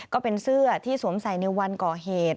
ก็เป็นเสื้อที่สวมใส่ในวันก่อเหตุ